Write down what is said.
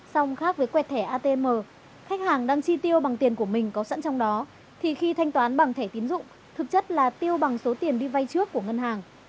xong khác với quẹt thẻ atm khách hàng đang chi tiêu bằng tiền của mình có sẵn trong đó thì khi thanh toán bằng thẻ tín dụng thực chất là tiêu bằng số tiền đi vay trước của ngân hàng